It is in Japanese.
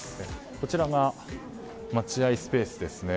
こちらが待合スペースですね。